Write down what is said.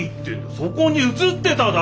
そこに映ってただろ！